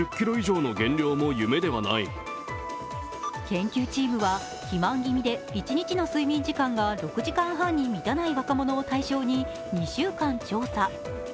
研究チームは肥満気味で一日の睡眠時間が６時間半に満たない若者を対象に２週間調査。